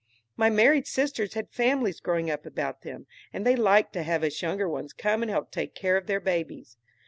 My married sisters had families growing up about them, and they liked to have us younger ones come and help take care of their babies.